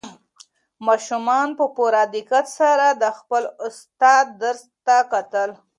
ماشومانو په پوره دقت سره د خپل استاد درس ته کتل.